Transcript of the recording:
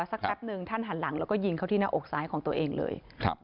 แป๊บนึงท่านหันหลังแล้วก็ยิงเข้าที่หน้าอกซ้ายของตัวเองเลยครับ